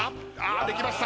できました。